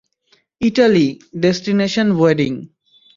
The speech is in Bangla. Italy, destination wedding.